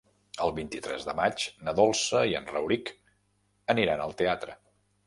El vint-i-tres de maig na Dolça i en Rauric aniran al teatre.